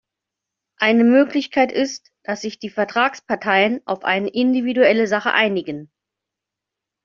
Eine Möglichkeit ist, dass sich die Vertragsparteien auf eine individuelle Sache einigen.